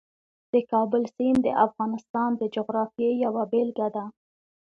د کابل سیند د افغانستان د جغرافیې یوه بېلګه ده.